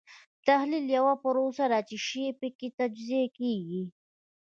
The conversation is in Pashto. تحلیل یوه پروسه ده چې شی پکې تجزیه کیږي.